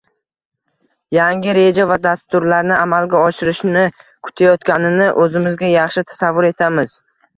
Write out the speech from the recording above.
yangi reja va dasturlarni amalga oshirishni kutayotganini o‘zimizga yaxshi tasavvur etamiz.